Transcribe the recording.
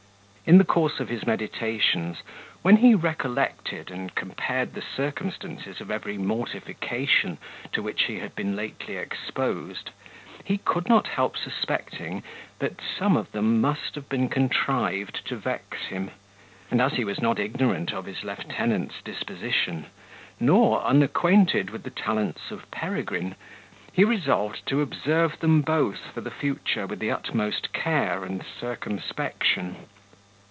In the course of his meditations, when he recollected and compared the circumstances of every mortification to which he had been lately exposed, he could not help suspecting that some of them must have been contrived to vex him; and, as he was not ignorant of his lieutenant's disposition, nor unacquainted with the talents of Peregrine, he resolved to observe them both for the future with the utmost care and circumspection.